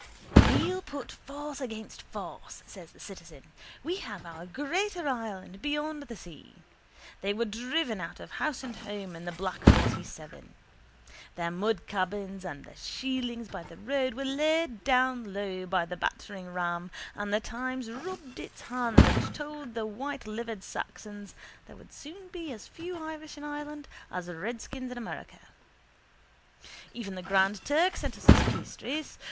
—We'll put force against force, says the citizen. We have our greater Ireland beyond the sea. They were driven out of house and home in the black 47. Their mudcabins and their shielings by the roadside were laid low by the batteringram and the Times rubbed its hands and told the whitelivered Saxons there would soon be as few Irish in Ireland as redskins in America. Even the Grand Turk sent us his piastres.